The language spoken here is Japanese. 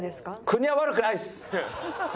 国は悪くないです。